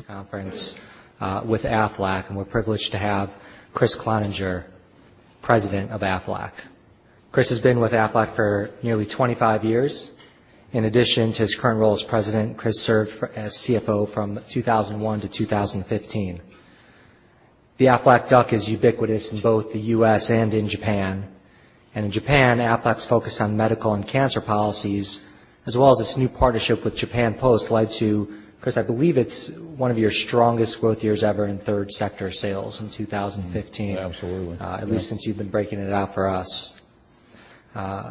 Conference with Aflac. We're privileged to have Kriss Cloninger, president of Aflac. Kriss has been with Aflac for nearly 25 years. In addition to his current role as president, Kriss served as CFO from 2001 to 2015. The Aflac duck is ubiquitous in both the U.S. and in Japan. In Japan, Aflac's focus on medical and cancer policies as well as its new partnership with Japan Post led to, Kriss, I believe it's one of your strongest growth years ever in third-sector sales in 2015. Absolutely. At least since you've been breaking it out for us.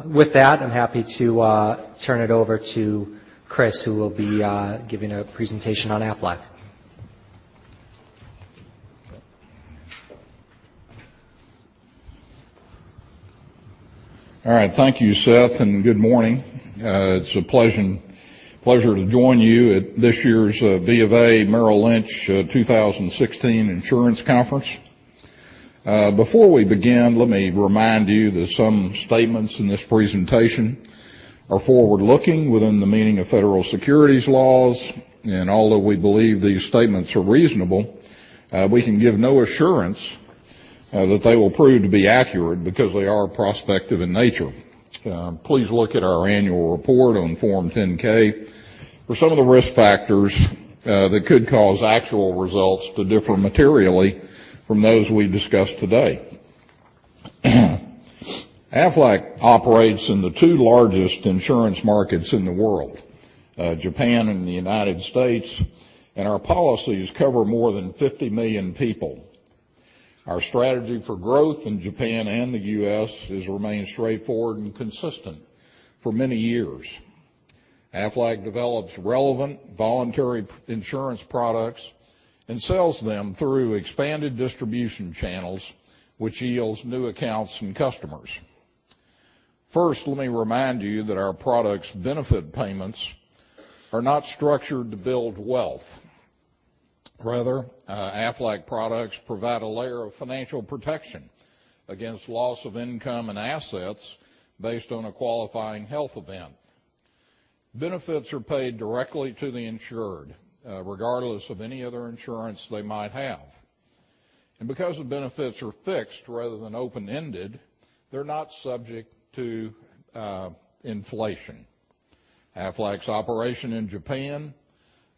With that, I'm happy to turn it over to Kriss, who will be giving a presentation on Aflac. All right. Thank you, Seth, and good morning. It's a pleasure to join you at this year's BofA Merrill Lynch 2016 Insurance Conference. Before we begin, let me remind you that some statements in this presentation are forward-looking within the meaning of federal securities laws. Although we believe these statements are reasonable, we can give no assurance that they will prove to be accurate because they are prospective in nature. Please look at our annual report on Form 10-K for some of the risk factors that could cause actual results to differ materially from those we discuss today. Aflac operates in the two largest insurance markets in the world, Japan and the United States, and our policies cover more than 50 million people. Our strategy for growth in Japan and the U.S. has remained straightforward and consistent for many years. Aflac develops relevant voluntary insurance products and sells them through expanded distribution channels, which yields new accounts and customers. First, let me remind you that our products' benefit payments are not structured to build wealth. Rather, Aflac products provide a layer of financial protection against loss of income and assets based on a qualifying health event. Benefits are paid directly to the insured, regardless of any other insurance they might have. Because the benefits are fixed rather than open-ended, they're not subject to inflation. Aflac's operation in Japan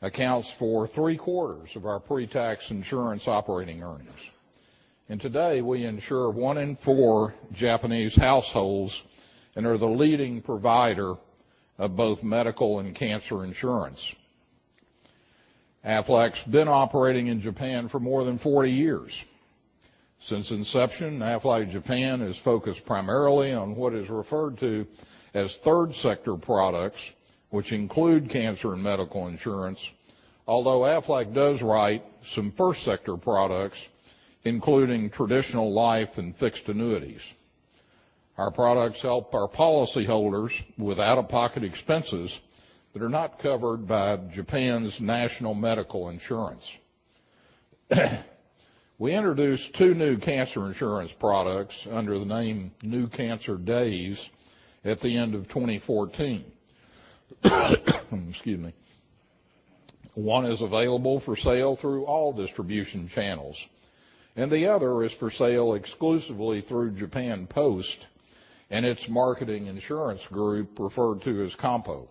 accounts for three-quarters of our pretax insurance operating earnings. Today, we insure one in four Japanese households and are the leading provider of both medical and cancer insurance. Aflac's been operating in Japan for more than 40 years. Since inception, Aflac Japan has focused primarily on what is referred to as third-sector products, which include cancer and medical insurance, although Aflac does write some first-sector products, including traditional life and fixed annuities. Our products help our policyholders with out-of-pocket expenses that are not covered by Japan's national medical insurance. We introduced two new cancer insurance products under the name New Cancer DAYS at the end of 2014. One is available for sale through all distribution channels, and the other is for sale exclusively through Japan Post and its marketing insurance group referred to as Kampo.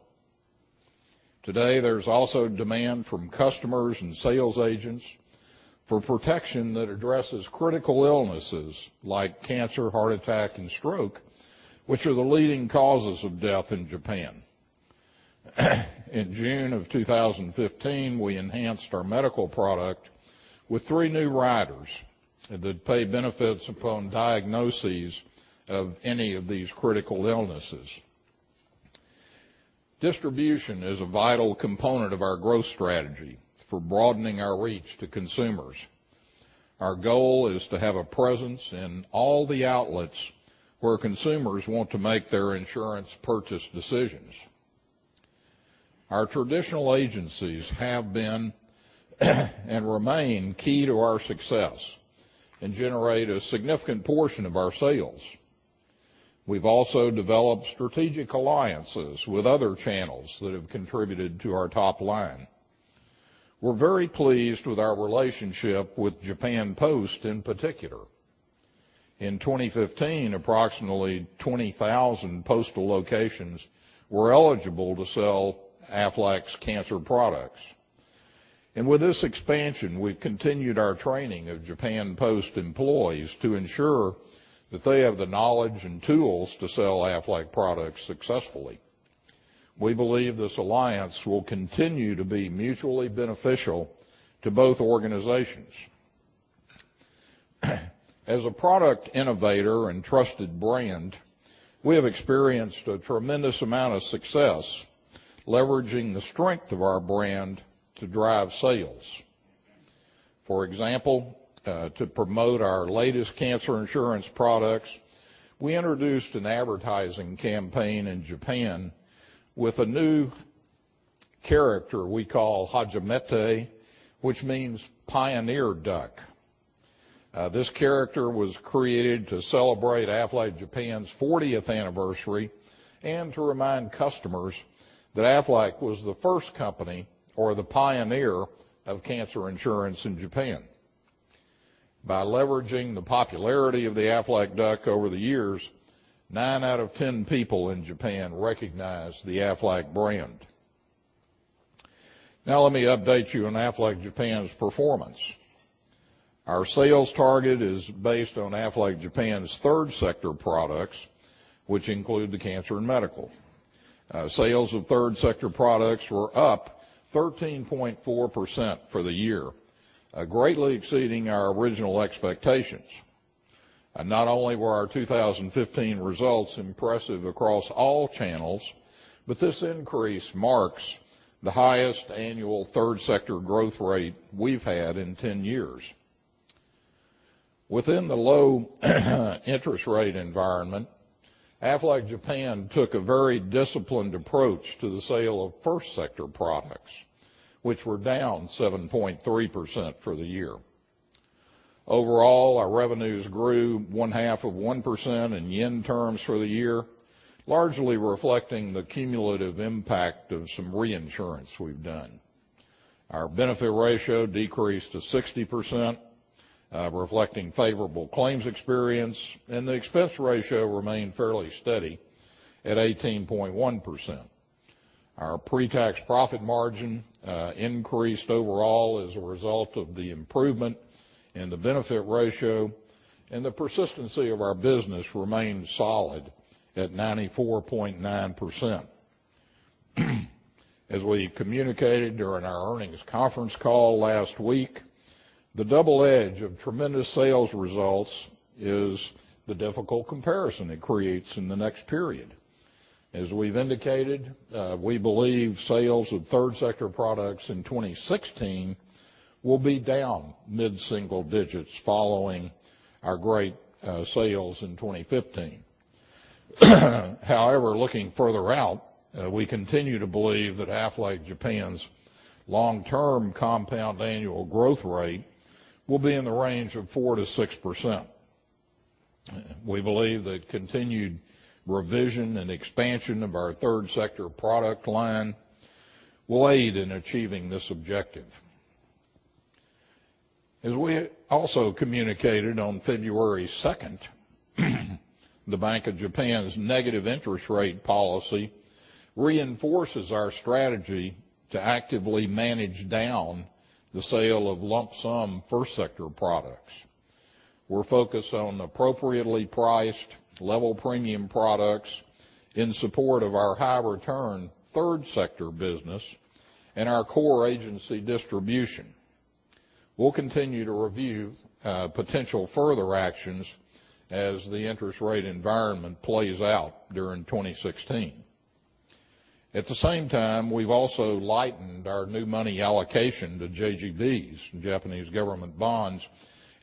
Today, there's also demand from customers and sales agents for protection that addresses critical illnesses like cancer, heart attack, and stroke, which are the leading causes of death in Japan. In June of 2015, we enhanced our medical product with three new riders that pay benefits upon diagnoses of any of these critical illnesses. Distribution is a vital component of our growth strategy for broadening our reach to consumers. Our goal is to have a presence in all the outlets where consumers want to make their insurance purchase decisions. Our traditional agencies have been and remain key to our success and generate a significant portion of our sales. We've also developed strategic alliances with other channels that have contributed to our top line. We're very pleased with our relationship with Japan Post in particular. In 2015, approximately 20,000 postal locations were eligible to sell Aflac's cancer products. With this expansion, we've continued our training of Japan Post employees to ensure that they have the knowledge and tools to sell Aflac products successfully. We believe this alliance will continue to be mutually beneficial to both organizations. As a product innovator and trusted brand, we have experienced a tremendous amount of success leveraging the strength of our brand to drive sales. For example, to promote our latest cancer insurance products, we introduced an advertising campaign in Japan with a new character we call Hajimete, which means pioneer duck. This character was created to celebrate Aflac Japan's 40th anniversary and to remind customers that Aflac was the first company, or the pioneer, of cancer insurance in Japan. By leveraging the popularity of the Aflac duck over the years, nine out of 10 people in Japan recognize the Aflac brand. Now let me update you on Aflac Japan's performance. Our sales target is based on Aflac Japan's third-sector products, which include the cancer and medical. Sales of third-sector products were up 13.4% for the year, greatly exceeding our original expectations. Not only were our 2015 results impressive across all channels, but this increase marks the highest annual third-sector growth rate we've had in 10 years. Within the low interest rate environment, Aflac Japan took a very disciplined approach to the sale of first-sector products, which were down 7.3% for the year. Overall, our revenues grew one-half of 1% in JPY terms for the year, largely reflecting the cumulative impact of some reinsurance we've done. Our benefit ratio decreased to 60%, reflecting favorable claims experience, and the expense ratio remained fairly steady at 18.1%. Our pre-tax profit margin increased overall as a result of the improvement in the benefit ratio, and the persistency of our business remained solid at 94.9%. As we communicated during our earnings conference call last week, the double edge of tremendous sales results is the difficult comparison it creates in the next period. As we've indicated, we believe sales of third-sector products in 2016 will be down mid-single digits following our great sales in 2015. Looking further out, we continue to believe that Aflac Japan's long-term compound annual growth rate will be in the range of 4%-6%. We believe that continued revision and expansion of our third-sector product line will aid in achieving this objective. As we also communicated on February 2nd, the Bank of Japan's negative interest rate policy reinforces our strategy to actively manage down the sale of lump sum first-sector products. We're focused on appropriately priced level premium products in support of our high return third-sector business and our core agency distribution. We'll continue to review potential further actions as the interest rate environment plays out during 2016. At the same time, we've also lightened our new money allocation to JGBs, Japanese Government Bonds,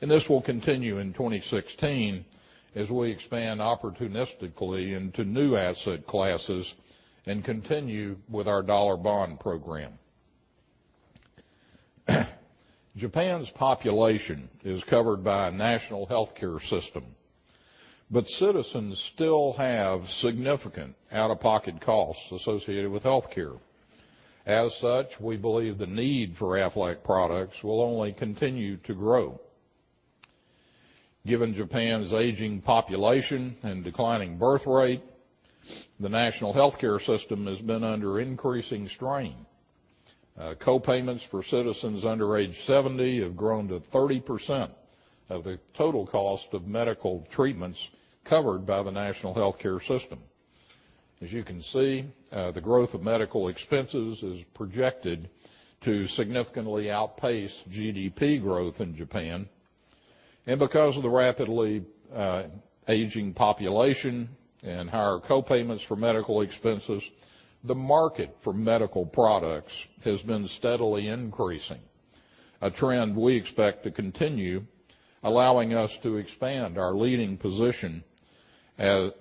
and this will continue in 2016 as we expand opportunistically into new asset classes and continue with our dollar bond program. Japan's population is covered by a national healthcare system, but citizens still have significant out-of-pocket costs associated with healthcare. We believe the need for Aflac products will only continue to grow. Given Japan's aging population and declining birth rate, the national healthcare system has been under increasing strain. Co-payments for citizens under age 70 have grown to 30% of the total cost of medical treatments covered by the national healthcare system. The growth of medical expenses is projected to significantly outpace GDP growth in Japan. Because of the rapidly aging population and higher co-payments for medical expenses, the market for medical products has been steadily increasing, a trend we expect to continue, allowing us to expand our leading position as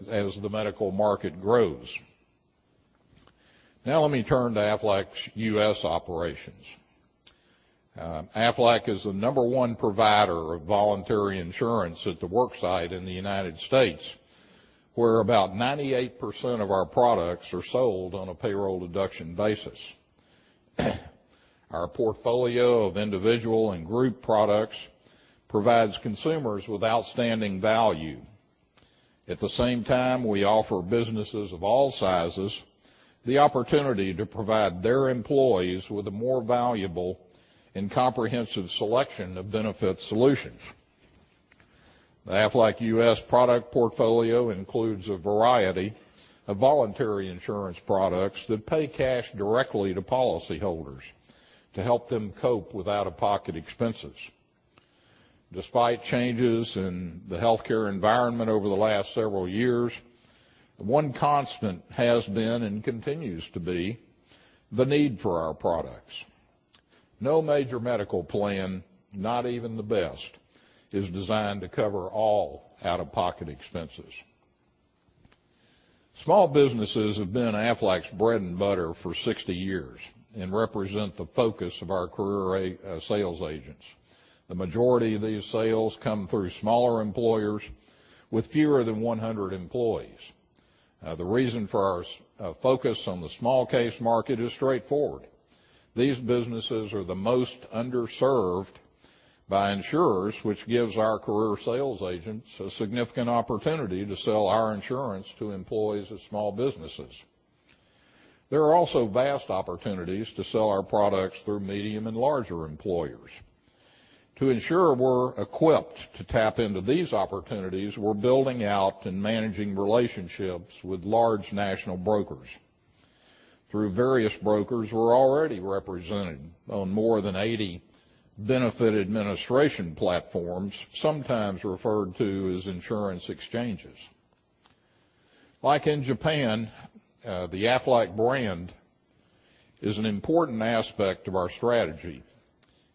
the medical market grows. Let me turn to Aflac's U.S. operations. Aflac is the number one provider of voluntary insurance at the worksite in the United States, where about 98% of our products are sold on a payroll deduction basis. Our portfolio of individual and group products provides consumers with outstanding value. We offer businesses of all sizes the opportunity to provide their employees with a more valuable and comprehensive selection of benefit solutions. The Aflac U.S. product portfolio includes a variety of voluntary insurance products that pay cash directly to policyholders to help them cope with out-of-pocket expenses. Despite changes in the healthcare environment over the last several years, the one constant has been and continues to be the need for our products. No major medical plan, not even the best, is designed to cover all out-of-pocket expenses. Small businesses have been Aflac's bread and butter for 60 years and represent the focus of our career sales agents. The majority of these sales come through smaller employers with fewer than 100 employees. The reason for our focus on the small case market is straightforward. These businesses are the most underserved by insurers, which gives our career sales agents a significant opportunity to sell our insurance to employees of small businesses. There are also vast opportunities to sell our products through medium and larger employers. To ensure we're equipped to tap into these opportunities, we're building out and managing relationships with large national brokers. Through various brokers, we're already represented on more than 80 benefit administration platforms, sometimes referred to as insurance exchanges. Like in Japan, the Aflac brand is an important aspect of our strategy,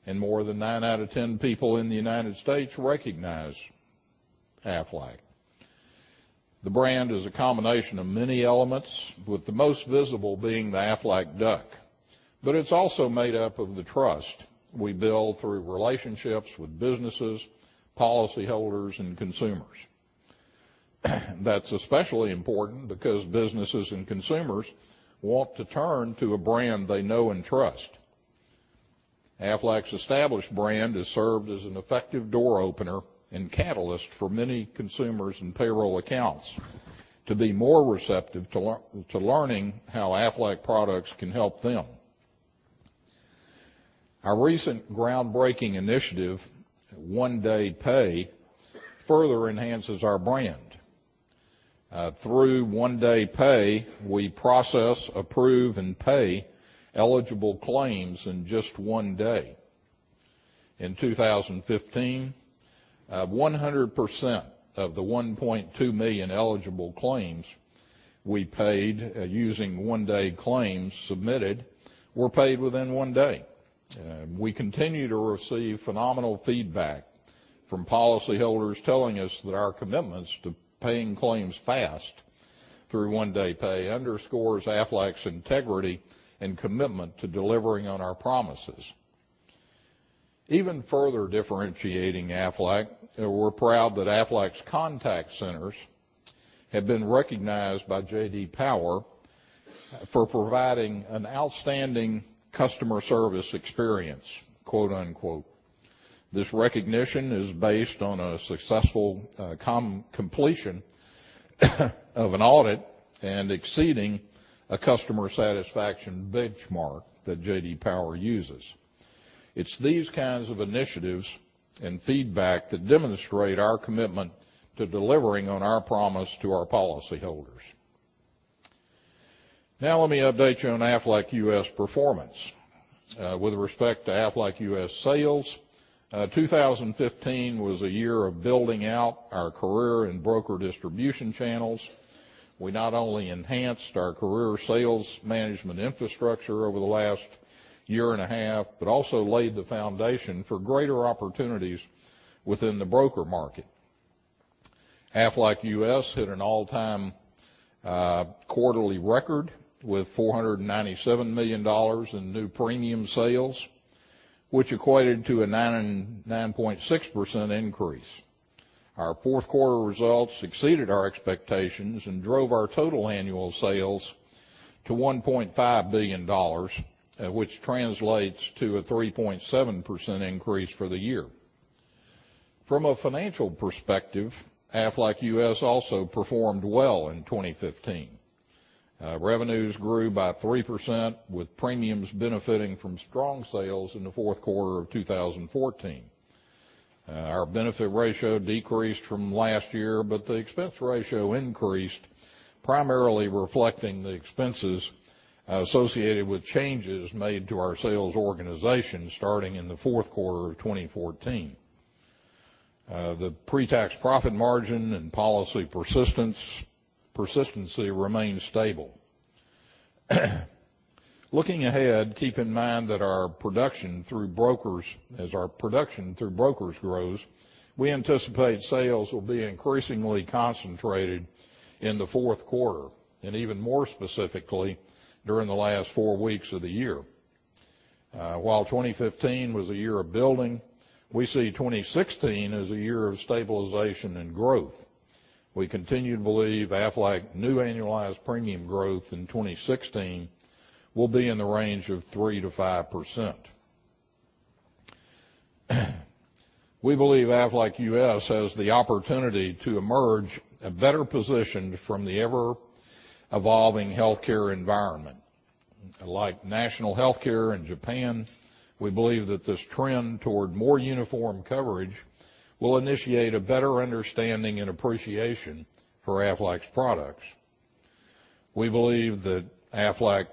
and more than nine out of 10 people in the U.S. recognize Aflac. The brand is a combination of many elements, with the most visible being the Aflac duck. It's also made up of the trust we build through relationships with businesses, policyholders, and consumers. That's especially important because businesses and consumers want to turn to a brand they know and trust. Aflac's established brand has served as an effective door opener and catalyst for many consumers and payroll accounts to be more receptive to learning how Aflac products can help them. Our recent groundbreaking initiative, One Day Pay, further enhances our brand. Through One Day Pay, we process, approve, and pay eligible claims in just one day. In 2015, 100% of the 1.2 million eligible claims we paid using one-day claims submitted were paid within one day. We continue to receive phenomenal feedback from policyholders telling us that our commitments to paying claims fast through One Day Pay underscores Aflac's integrity and commitment to delivering on our promises. Even further differentiating Aflac, we're proud that Aflac's contact centers have been recognized by J.D. Power for providing an outstanding customer service experience, quote, unquote. This recognition is based on a successful completion of an audit and exceeding a customer satisfaction benchmark that J.D. Power uses. It's these kinds of initiatives and feedback that demonstrate our commitment to delivering on our promise to our policyholders. Now let me update you on Aflac U.S. performance. With respect to Aflac U.S. sales, 2015 was a year of building out our career and broker distribution channels. We not only enhanced our career sales management infrastructure over the last year and a half, but also laid the foundation for greater opportunities within the broker market. Aflac U.S. hit an all-time quarterly record with $497 million in new premium sales, which equated to a 99.6% increase. Our fourth quarter results exceeded our expectations and drove our total annual sales to $1.5 billion, which translates to a 3.7% increase for the year. From a financial perspective, Aflac U.S. also performed well in 2015. Revenues grew by 3%, with premiums benefiting from strong sales in the fourth quarter of 2014. Our benefit ratio decreased from last year, but the expense ratio increased, primarily reflecting the expenses associated with changes made to our sales organization starting in the fourth quarter of 2014. The pre-tax profit margin and policy persistency remained stable. Looking ahead, keep in mind that as our production through brokers grows, we anticipate sales will be increasingly concentrated in the fourth quarter, and even more specifically, during the last four weeks of the year. While 2015 was a year of building, we see 2016 as a year of stabilization and growth. We continue to believe Aflac new annualized premium growth in 2016 will be in the range of 3%-5%. We believe Aflac U.S. has the opportunity to emerge better positioned from the ever-evolving healthcare environment. Like national healthcare in Japan, we believe that this trend toward more uniform coverage will initiate a better understanding and appreciation for Aflac's products. We believe that Aflac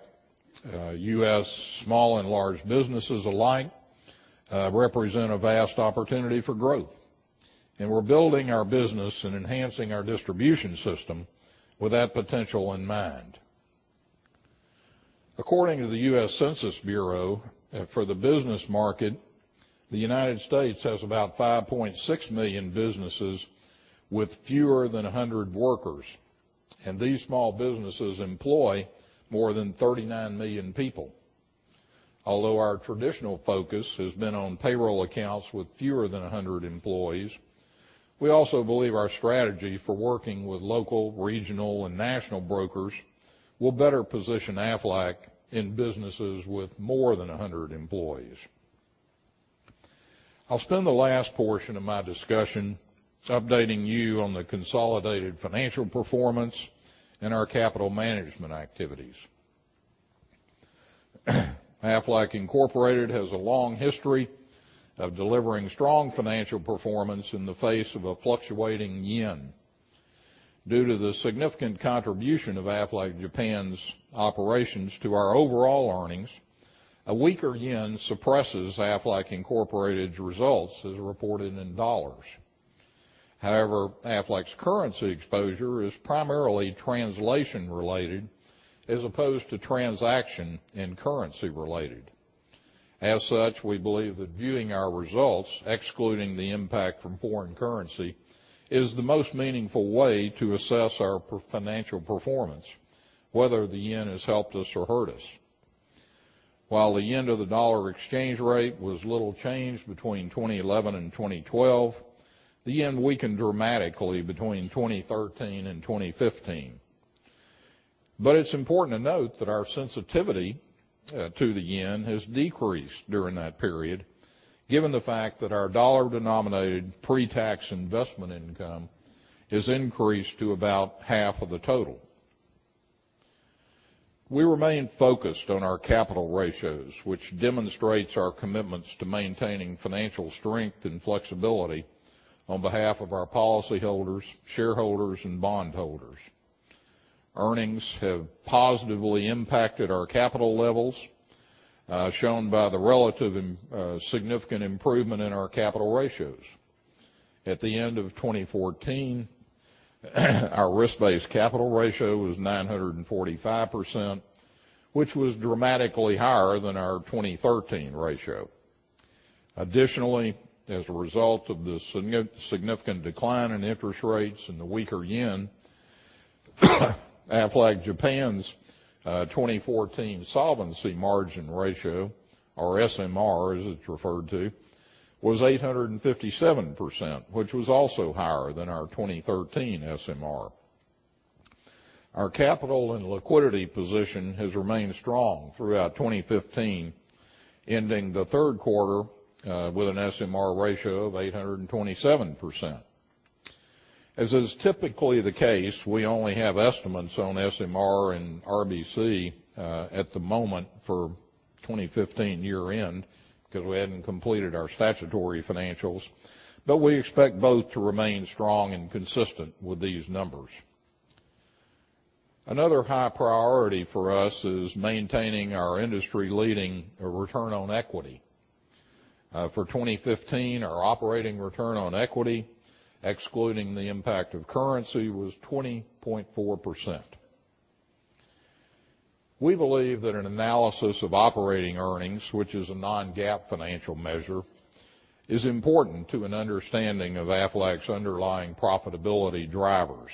U.S. small and large businesses alike represent a vast opportunity for growth, and we're building our business and enhancing our distribution system with that potential in mind. According to the U.S. Census Bureau, for the business market, the United States has about 5.6 million businesses with fewer than 100 workers, and these small businesses employ more than 39 million people. Although our traditional focus has been on payroll accounts with fewer than 100 employees, we also believe our strategy for working with local, regional, and national brokers will better position Aflac in businesses with more than 100 employees. I'll spend the last portion of my discussion updating you on the consolidated financial performance and our capital management activities. Aflac Incorporated has a long history of delivering strong financial performance in the face of a fluctuating yen. Due to the significant contribution of Aflac Japan's operations to our overall earnings, a weaker yen suppresses Aflac Incorporated's results as reported in dollars. However, Aflac's currency exposure is primarily translation related as opposed to transaction and currency related. As such, we believe that viewing our results, excluding the impact from foreign currency, is the most meaningful way to assess our financial performance, whether the yen has helped us or hurt us. While the yen to the dollar exchange rate was little changed between 2011 and 2012, the yen weakened dramatically between 2013 and 2015. But it's important to note that our sensitivity to the yen has decreased during that period, given the fact that our dollar-denominated pre-tax investment income has increased to about half of the total. We remain focused on our capital ratios, which demonstrates our commitments to maintaining financial strength and flexibility on behalf of our policyholders, shareholders, and bondholders. Earnings have positively impacted our capital levels, shown by the relative and significant improvement in our capital ratios. At the end of 2014, our risk-based capital ratio was 945%, which was dramatically higher than our 2013 ratio. Additionally, as a result of the significant decline in interest rates and the weaker yen, Aflac Japan's 2014 solvency margin ratio, or SMR as it's referred to, was 857%, which was also higher than our 2013 SMR. Our capital and liquidity position has remained strong throughout 2015, ending the third quarter with an SMR ratio of 827%. As is typically the case, we only have estimates on SMR and RBC at the moment for 2015 year end because we hadn't completed our statutory financials, but we expect both to remain strong and consistent with these numbers. Another high priority for us is maintaining our industry-leading return on equity. For 2015, our operating return on equity, excluding the impact of currency, was 20.4%. We believe that an analysis of operating earnings, which is a non-GAAP financial measure, is important to an understanding of Aflac's underlying profitability drivers.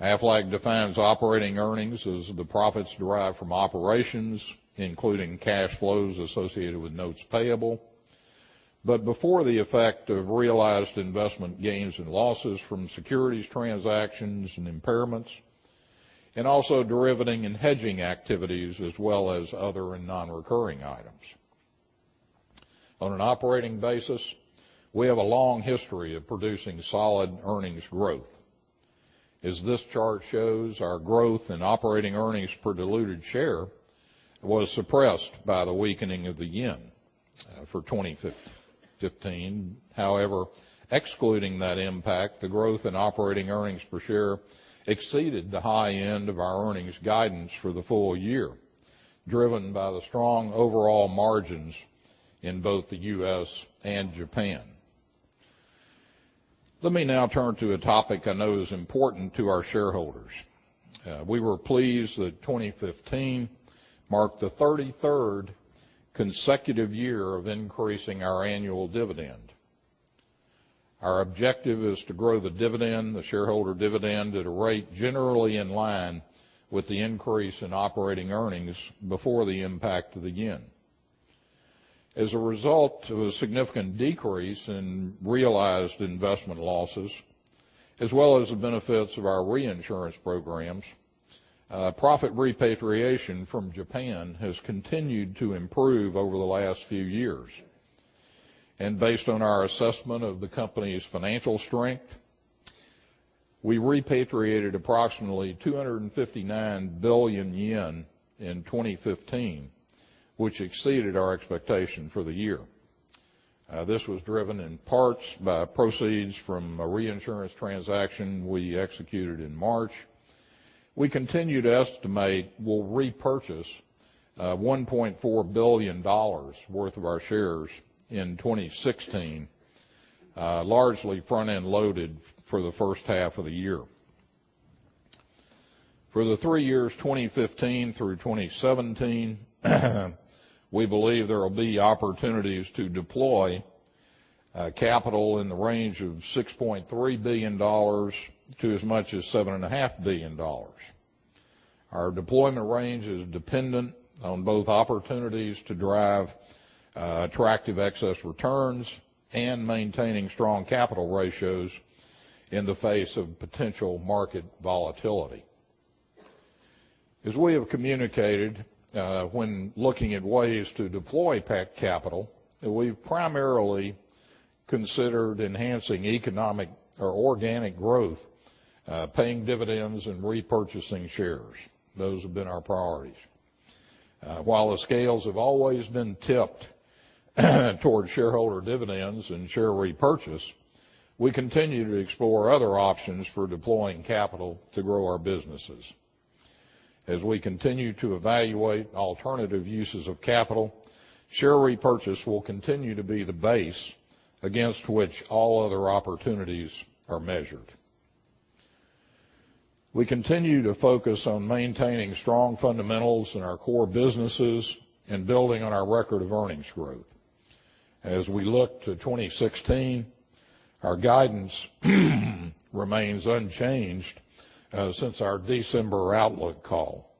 Aflac defines operating earnings as the profits derived from operations, including cash flows associated with notes payable, but before the effect of realized investment gains and losses from securities transactions and impairments, and also derivative and hedging activities, as well as other and non-recurring items. On an operating basis, we have a long history of producing solid earnings growth. As this chart shows, our growth in operating earnings per diluted share was suppressed by the weakening of the yen for 2015. However, excluding that impact, the growth in operating earnings per share exceeded the high end of our earnings guidance for the full year, driven by the strong overall margins in both the U.S. and Japan. Let me now turn to a topic I know is important to our shareholders. We were pleased that 2015 marked the 33rd consecutive year of increasing our annual dividend. Our objective is to grow the shareholder dividend at a rate generally in line with the increase in operating earnings before the impact of the yen. As a result of a significant decrease in realized investment losses, as well as the benefits of our reinsurance programs, profit repatriation from Japan has continued to improve over the last few years. Based on our assessment of the company's financial strength, we repatriated approximately 259 billion yen in 2015, which exceeded our expectation for the year. This was driven in parts by proceeds from a reinsurance transaction we executed in March. We continue to estimate we'll repurchase $1.4 billion worth of our shares in 2016 largely front-end loaded for the first half of the year. For the three years 2015 through 2017, we believe there will be opportunities to deploy capital in the range of $6.3 billion to as much as $7.5 billion. Our deployment range is dependent on both opportunities to drive attractive excess returns and maintaining strong capital ratios in the face of potential market volatility. As we have communicated, when looking at ways to deploy PAC Capital, we've primarily considered enhancing economic or organic growth, paying dividends, and repurchasing shares. Those have been our priorities. While the scales have always been tipped toward shareholder dividends and share repurchase, we continue to explore other options for deploying capital to grow our businesses. As we continue to evaluate alternative uses of capital, share repurchase will continue to be the base against which all other opportunities are measured. We continue to focus on maintaining strong fundamentals in our core businesses and building on our record of earnings growth. As we look to 2016, our guidance remains unchanged since our December outlook call.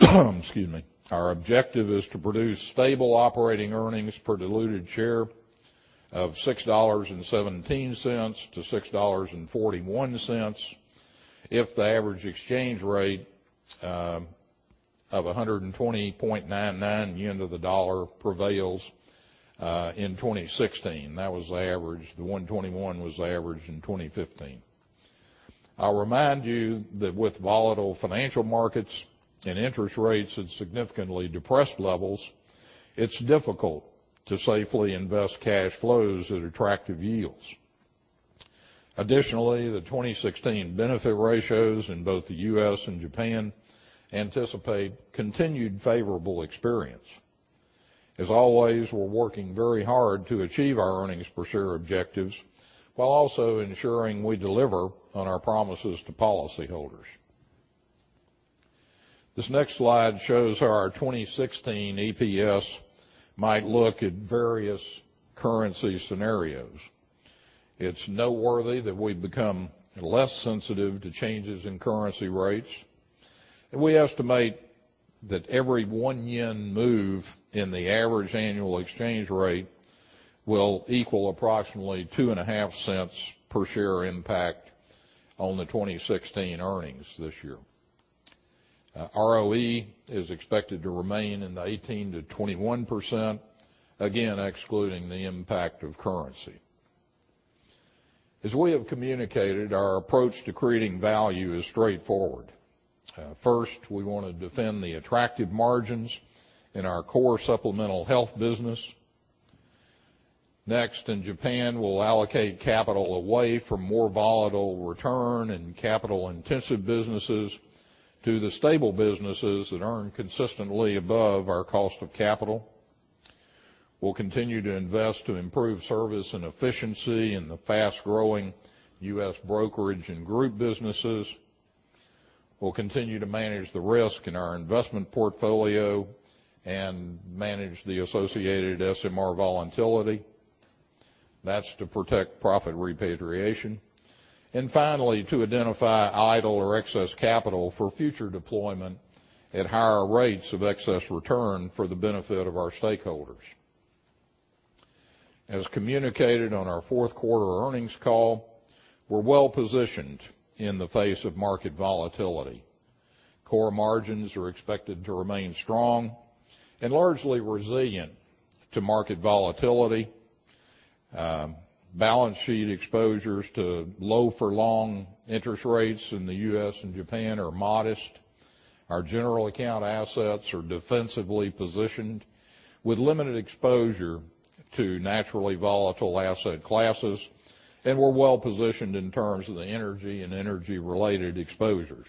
Excuse me. Our objective is to produce stable operating earnings per diluted share of $6.17 to $6.41 if the average exchange rate of 120.99 yen to the dollar prevails in 2016. That was the average. The 121 was the average in 2015. I'll remind you that with volatile financial markets and interest rates at significantly depressed levels, it's difficult to safely invest cash flows at attractive yields. Additionally, the 2016 benefit ratios in both the U.S. and Japan anticipate continued favorable experience. As always, we're working very hard to achieve our earnings per share objectives, while also ensuring we deliver on our promises to policyholders. This next slide shows how our 2016 EPS might look at various currency scenarios. It's noteworthy that we've become less sensitive to changes in currency rates, and we estimate that every one yen move in the average annual exchange rate will equal approximately $0.025 per share impact on the 2016 earnings this year. ROE is expected to remain in the 18%-21%, again, excluding the impact of currency. As we have communicated, our approach to creating value is straightforward. We want to defend the attractive margins in our core supplemental health business. In Japan, we'll allocate capital away from more volatile return and capital-intensive businesses to the stable businesses that earn consistently above our cost of capital. We'll continue to invest to improve service and efficiency in the fast-growing U.S. brokerage and group businesses. We'll continue to manage the risk in our investment portfolio and manage the associated SMR volatility. That's to protect profit repatriation. Finally, to identify idle or excess capital for future deployment at higher rates of excess return for the benefit of our stakeholders. As communicated on our fourth quarter earnings call, we're well-positioned in the face of market volatility. Core margins are expected to remain strong and largely resilient to market volatility. Balance sheet exposures to low-for-long interest rates in the U.S. and Japan are modest. Our general account assets are defensively positioned with limited exposure to naturally volatile asset classes. We're well-positioned in terms of the energy and energy-related exposures.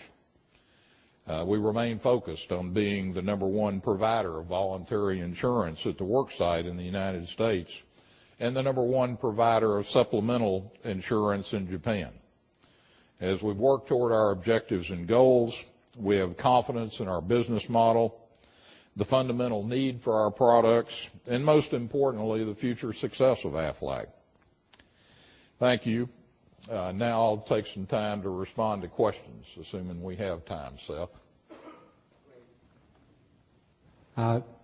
We remain focused on being the number one provider of voluntary insurance at the work site in the United States and the number one provider of supplemental insurance in Japan. As we work toward our objectives and goals, we have confidence in our business model, the fundamental need for our products, and most importantly, the future success of Aflac. Thank you. Now I'll take some time to respond to questions, assuming we have time, Seth.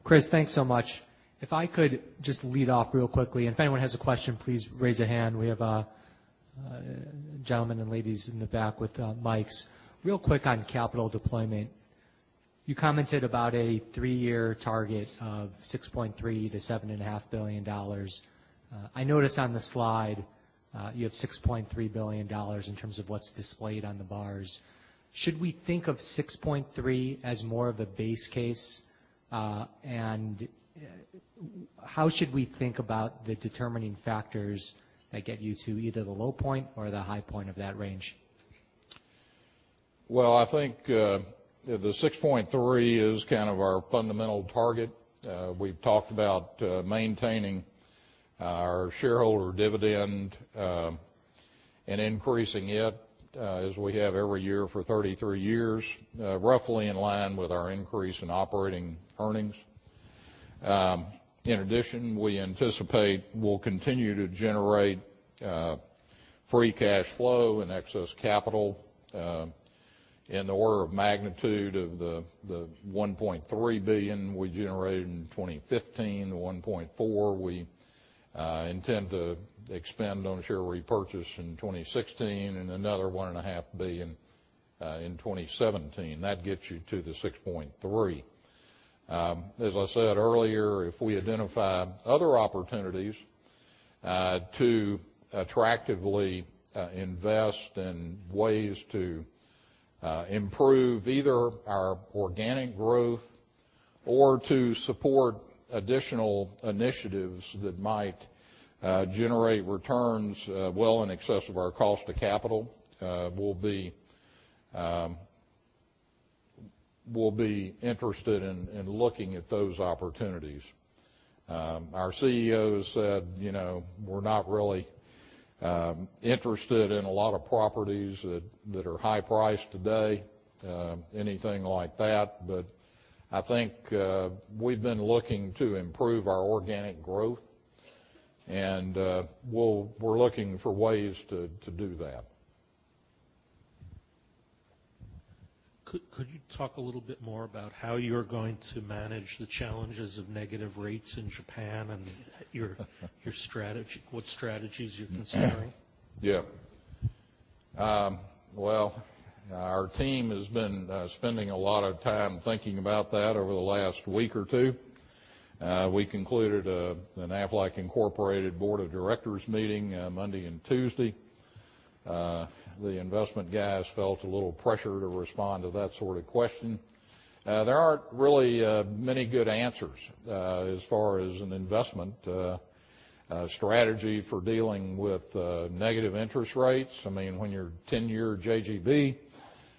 Kriss, thanks so much. If I could just lead off real quickly. If anyone has a question, please raise a hand. We have gentlemen and ladies in the back with mics. Real quick on capital deployment, you commented about a three-year target of $6.3 billion-$7.5 billion. I notice on the slide you have $6.3 billion in terms of what's displayed on the bars. Should we think of 6.3 as more of a base case? How should we think about the determining factors that get you to either the low point or the high point of that range? Well, I think the 6.3 is kind of our fundamental target. We've talked about maintaining our shareholder dividend, increasing it as we have every year for 33 years, roughly in line with our increase in operating earnings. In addition, we anticipate we'll continue to generate free cash flow and excess capital in the order of magnitude of the $1.3 billion we generated in 2015, the $1.4 billion we intend to expend on share repurchase in 2016, another $1.5 billion in 2017. That gets you to the 6.3. As I said earlier, if we identify other opportunities to attractively invest in ways to improve either our organic growth or to support additional initiatives that might generate returns well in excess of our cost to capital, we'll be interested in looking at those opportunities. Our CEO said we're not really interested in a lot of properties that are high priced today, anything like that. I think we've been looking to improve our organic growth and we're looking for ways to do that. Could you talk a little bit more about how you're going to manage the challenges of negative rates in Japan and what strategies you're considering? Yeah. Well, our team has been spending a lot of time thinking about that over the last week or two. We concluded an Aflac Incorporated board of directors meeting Monday and Tuesday. The investment guys felt a little pressure to respond to that sort of question. There aren't really many good answers as far as an investment strategy for dealing with negative interest rates. I mean, when your 10-year JGB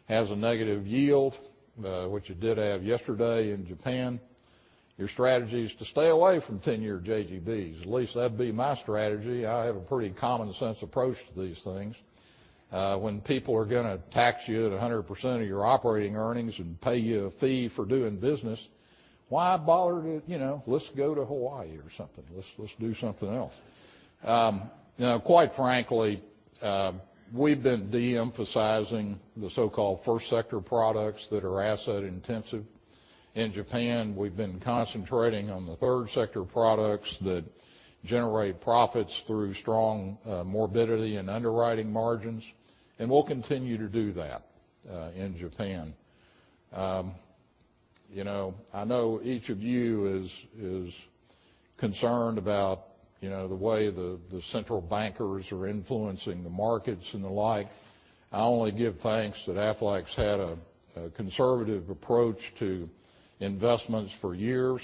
has a negative yield, which it did have yesterday in Japan, your strategy is to stay away from 10-year JGBs. At least that'd be my strategy. I have a pretty common sense approach to these things. When people are going to tax you at 100% of your operating earnings and pay you a fee for doing business, Let's go to Hawaii or something. Let's do something else. Quite frankly, we've been de-emphasizing the so-called first-sector products that are asset intensive. In Japan, we've been concentrating on the third-sector products that generate profits through strong morbidity and underwriting margins, and we'll continue to do that in Japan. I know each of you is concerned about the way the central bankers are influencing the markets and the like. I only give thanks that Aflac's had a conservative approach to investments for years.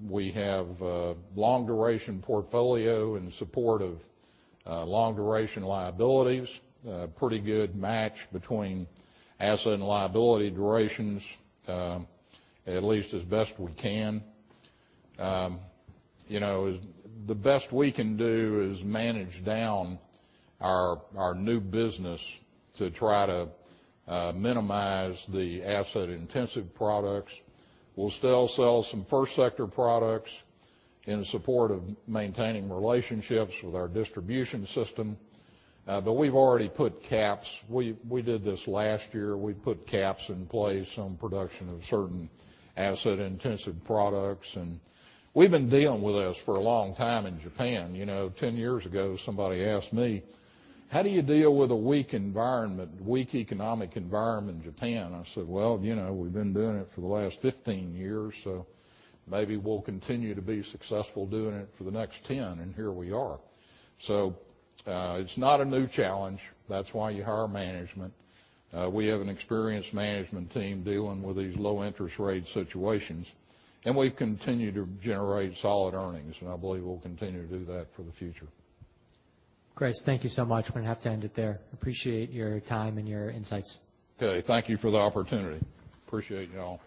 We have a long duration portfolio in support of long duration liabilities. A pretty good match between asset and liability durations, at least as best we can. The best we can do is manage down our new business to try to minimize the asset intensive products. We'll still sell some first-sector products in support of maintaining relationships with our distribution system. We've already put caps. We did this last year. We put caps in place on production of certain asset intensive products. We've been dealing with this for a long time in Japan. 10 years ago, somebody asked me, "How do you deal with a weak environment, weak economic environment in Japan?" I said, "Well, we've been doing it for the last 15 years, maybe we'll continue to be successful doing it for the next 10." Here we are. It's not a new challenge. That's why you hire management. We have an experienced management team dealing with these low interest rate situations, and we continue to generate solid earnings. I believe we'll continue to do that for the future. Great. Thank you so much. We're going to have to end it there. Appreciate your time and your insights. Okay. Thank you for the opportunity. Appreciate you all.